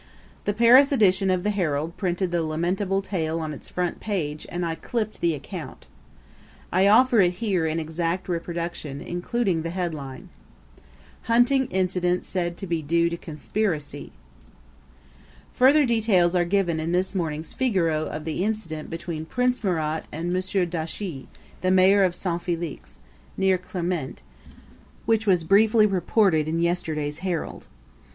The Paris edition of the Herald printed the lamentable tale on its front page and I clipped the account. I offer it here in exact reproduction, including the headline: HUNTING INCIDENT SAID TO BE DUE TO CONSPIRACY Further details are given in this morning's Figaro of the incident between Prince Murat and M. Dauchis, the mayor of Saint Felix, near Clermont, which was briefly reported in yesterday's Herald.